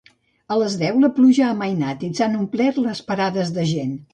A les deu, la pluja ha amainat i s'han omplert les parades de gent.